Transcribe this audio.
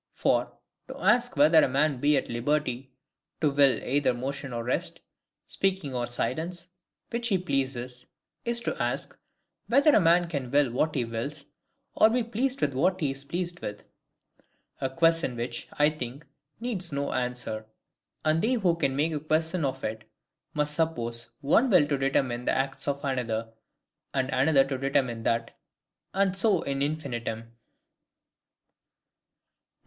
For, to ask whether a man be at liberty to will either motion or rest, speaking or silence, which he pleases, is to ask whether a man can will what he wills, or be pleased with what he is pleased with? A question which, I think, needs no answer: and they who can make a question of it must suppose one will to determine the acts of another, and another to determine that, and so on in infinitum.